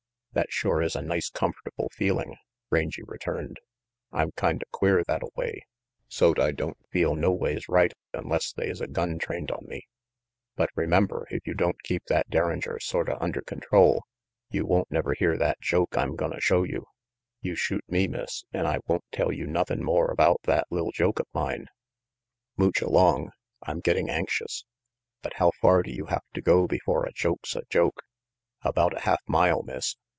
"That shore is a nice comfortable feeling," Rangy returned. "I'm kinda queer thattaway, so't I don't feel noways right unless they is a gun trained on me. But remember if you don't keep that derringer sorta under control you won't never hear that joke I'm gonna show you. You shoot me, Miss, an' I won't tell you nothin' more about that li'l joke of mine." "Mooch along. I'm getting anxious. But how far do you have to go before a joke's a joke?" "About a half mile, Miss.